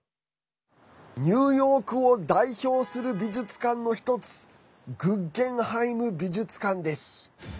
ニューヨークを代表する美術館の１つグッゲンハイム美術館です。